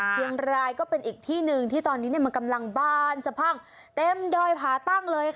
เชียงรายก็เป็นอีกที่หนึ่งที่ตอนนี้มันกำลังบานสะพั่งเต็มดอยผาตั้งเลยค่ะ